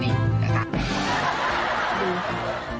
นี่นะคะ